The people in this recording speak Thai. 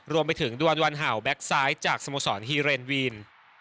รวมไปถึงดวนวันเห่าแก๊กซ้ายจากสโมสรฮีเรนวีน